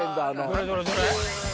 どれどれどれ？